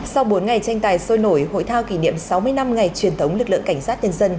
sau bốn ngày tranh tài sôi nổi hội thao kỷ niệm sáu mươi năm ngày truyền thống lực lượng cảnh sát nhân dân